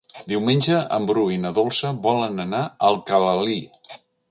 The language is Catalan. Diumenge en Bru i na Dolça volen anar a Alcalalí.